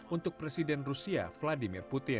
untuk presiden rusia vladimir putin